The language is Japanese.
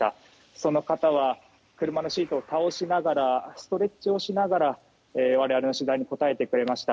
その方は車のシートを倒しながらストレッチをしながら我々の取材に答えてくれました。